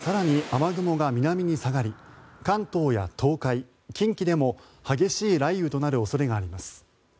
午後は更に雨雲が南に下がり関東や東海、近畿でも激しい雷雨となる恐れがあります。